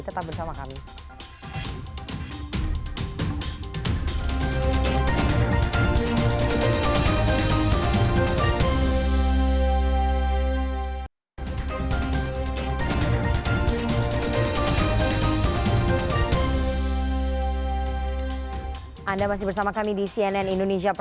tetap bersama kami